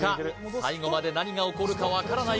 最後まで何が起こるか分からない